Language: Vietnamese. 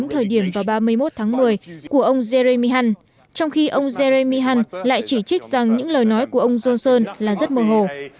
ông johnson đã đưa anh giữa eu đúng thời điểm vào ba mươi một tháng một mươi của ông jeremy hunn trong khi ông jeremy hunn lại chỉ trích rằng những lời nói của ông johnson là rất mờ hồ